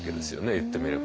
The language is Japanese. いってみれば。